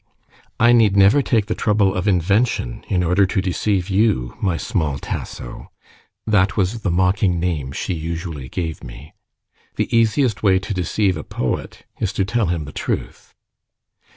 "I need never take the trouble of invention in order to deceive you, my small Tasso" (that was the mocking name she usually gave me). "The easiest way to deceive a poet is to tell him the truth."